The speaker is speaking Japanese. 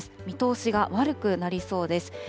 見通しが悪くなりそうです。